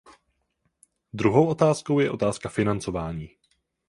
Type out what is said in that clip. Druhou otázkou je otázka financování.